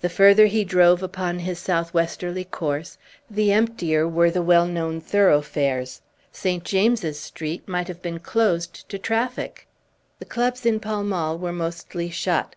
The further he drove upon his southwesterly course, the emptier were the well known thoroughfares. St. James's Street might have been closed to traffic; the clubs in Pall Mall were mostly shut.